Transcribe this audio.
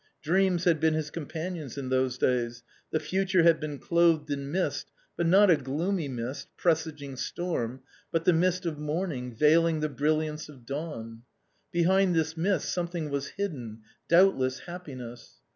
Dreams had been his companions in those days, the future had been clothed in mist, but not a gloomy mist presaging storm, but the mist of morning veiling the brilliance of dawn. Behind this mist something was hidden, doubtless, happi ness.